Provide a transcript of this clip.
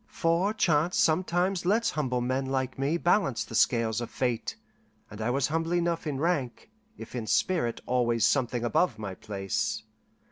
For chance sometimes lets humble men like me balance the scales of fate; and I was humble enough in rank, if in spirit always something above my place.